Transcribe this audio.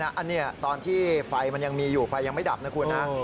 อันนี้ตอนที่ไฟมันยังมีอยู่ไฟยังไม่ดับนะคุณนะ